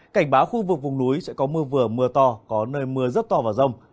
cảnh báo khu vực vùng núi sẽ có mưa vừa mưa to có nơi mưa rất to và rông